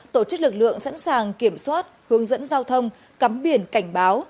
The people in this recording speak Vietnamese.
tổ chức lực lượng sẵn sàng kiểm soát hướng dẫn giao thông cắm biển cảnh báo